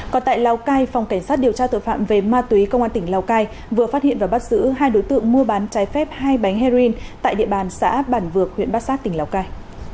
còn tại lào cai phòng cảnh sát điều tra tội phạm về ma túy công an tỉnh lào cai vừa phát hiện và bắt giữ hai đối tượng mua bán trái phép hai bánh heroin tại địa bàn xã bản vược huyện bát sát tỉnh lào cai